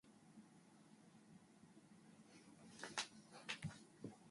いくら力を込めても壊れることはなさそうだった